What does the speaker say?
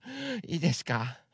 いいですか？